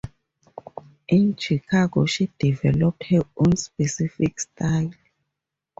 In Chicago she developed her own specific style.